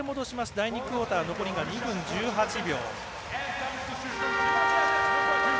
第２クオーター残りが２分１８秒。